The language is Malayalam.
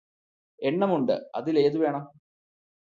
എണ്ണമുണ്ട് അതില് ഏതു വേണം